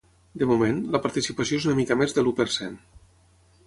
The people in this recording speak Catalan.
De moment, la participació és una mica més de l’u per cent.